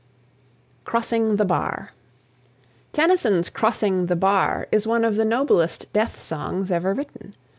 CROSSING THE BAR Tennyson's (1809 92) "Crossing the Bar" is one of the noblest death songs ever written.